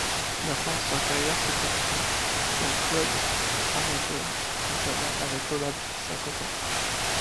La fin de sa carrière s'effectue dans clubs amateurs, notamment avec l'Olympique Saint-Quentin.